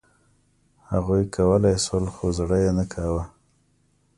هغوی کولای شول، خو زړه یې نه کاوه.